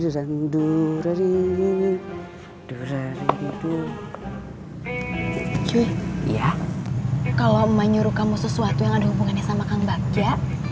sepi kalo emak nyuruh kamu sesuatu yang ada hubungannya sama kang bagja